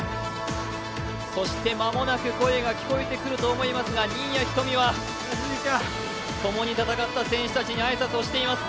そして間もなく声が聞こえてくると思いますが新谷仁美はともに戦った選手たちに、挨拶をしています。